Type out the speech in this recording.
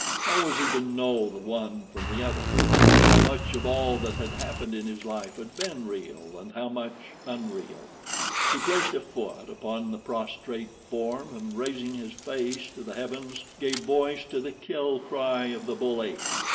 How was he to know the one from the other? How much of all that had happened in his life had been real and how much unreal? He placed a foot upon the prostrate form and raising his face to the heavens gave voice to the kill cry of the bull ape.